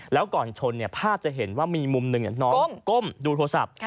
แล้วก่อนชนภาพจะเห็นว่ามีมุมหนึ่งน้องก้มดูโทรศัพท์